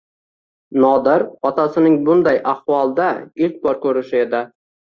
Nodir otasining bunday ahvolda ilk bor ko‘rishi edi.